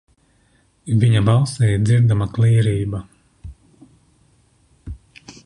Viņa balsī dzirdama klīrība.